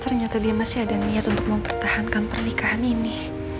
ternyata dia masih ada niat untuk mempertahankan pernikahan ini